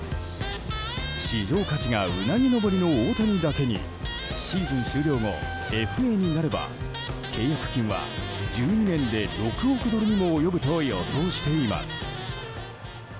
市場価値がうなぎ登りの大谷だけにシーズン終了後、ＦＡになれば契約金は１２年で６億ドルにも及ぶと予想しています。